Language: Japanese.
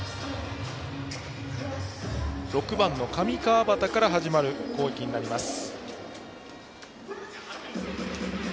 ６番の上川畑から始まる攻撃になります。